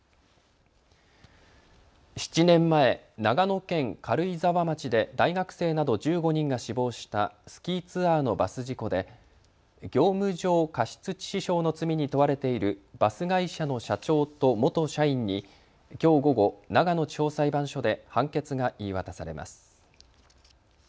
７年前、長野県軽井沢町で大学生など１５人が死亡したスキーツアーのバス事故で業務上過失致死傷の罪に問われているバス会社の社長と元社員にきょう午後、長野地方裁判所で判決が言い渡されます。